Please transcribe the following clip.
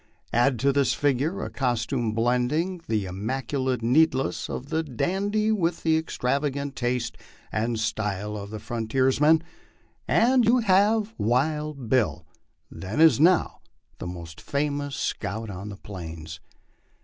Add to this figure a costume blending the immaculate neatness of the dandy with the extravagant taste and style of the frontiersman, and you have Wild Bill, then as now the most famous scout on the Plains.